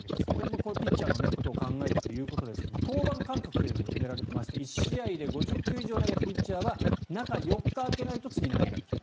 これ、ピッチャーのことを考えてということですが登板間隔というのも決められていまして１試合で５０球以上投げたピッチャーは中４日空けないと次、投げられない。